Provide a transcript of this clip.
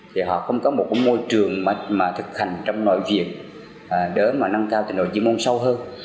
thì họ không có một môi trường mà thực hành trong nội việc để mà nâng cao tình hồi chuyên môn sâu hơn